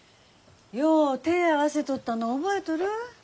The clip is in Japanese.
よう手ぇ合わせとったの覚えとる？